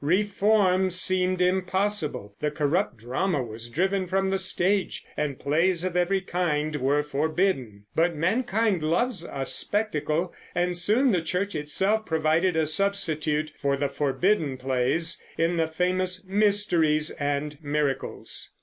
Reform seemed impossible; the corrupt drama was driven from the stage, and plays of every kind were forbidden. But mankind loves a spectacle, and soon the Church itself provided a substitute for the forbidden plays in the famous Mysteries and Miracles.